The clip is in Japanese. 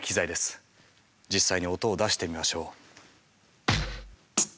実際に音を出してみましょう。